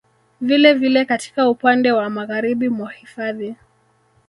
Vile vile katika upande wa magharibi mwa hifadhi